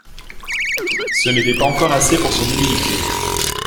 Ce n’était pas encore assez pour son humilité.